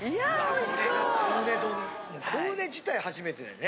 コウネ自体初めてだよね。